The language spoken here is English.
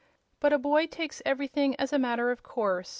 But a boy takes everything as a matter of course.